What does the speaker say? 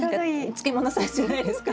漬物サイズじゃないですか？